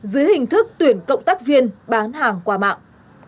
dưới hình thức tuyển cộng tác viên bán hàng qua mạng